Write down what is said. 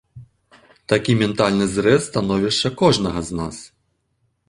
Такі ментальны зрэз становішча кожнага з нас.